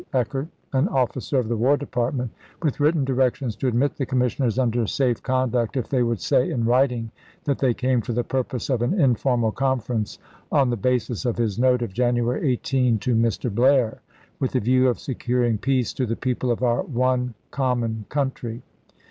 Eckert an officer of the War Department, with written directions to admit the commissioners under safe conduct if they would say in writing that they came for the purpose of an informal conference on the basis of his note of January 18 to Mr. Blair, " with the view of securing peace to the people of our one common country."